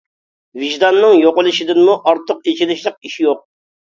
ۋىجداننىڭ يوقىلىشىدىنمۇ ئارتۇق ئېچىنىشلىق ئىش يوق.